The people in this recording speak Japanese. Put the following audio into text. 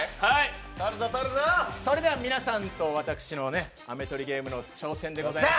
皆さんと私の飴取りゲームの挑戦でございます。